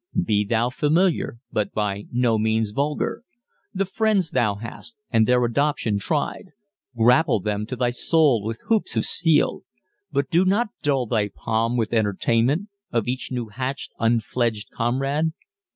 Be thou familiar, but by no means vulgar. The friends thou hast, and their adoption tried, Grapple them to thy soul with hoops of steel; But do not dull thy palm with entertainment Of each new hatch'd, unfledged comrade.